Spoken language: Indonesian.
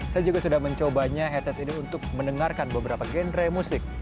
saya juga sudah mencobanya headset ini untuk mendengarkan beberapa genre musik